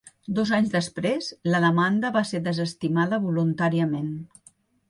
Dos anys després, la demanda va ser desestimada voluntàriament.